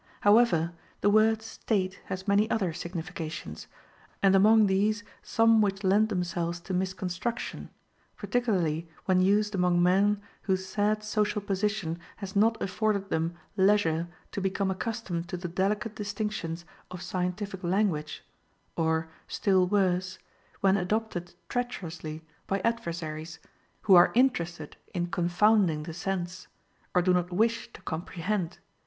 However, the word State has many other significations, and among these some which lend themselves to misconstruction, particularly when used among men whose sad social position has not afforded them leisure to become accustomed to the delicate distinctions of scientific language, or, still worse, when adopted treacherously by adversaries, who are interested in confounding the sense, or do not wish to comprehend.